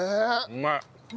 うまい。